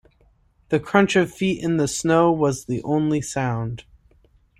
The crunch of feet in the snow was the only sound.